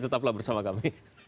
tetap bersama kami